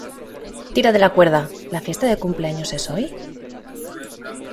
¡ Tira de la cuerda! ¿ la fiesta de cumpleaños es hoy?